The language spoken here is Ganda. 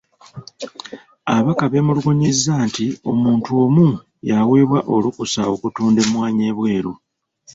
Ababaka beemulugunyizza nti omuntu omu y'aweebwa olukusa okutunda emmwanyi ebweru .